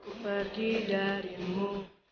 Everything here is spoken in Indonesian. ku pergi darimu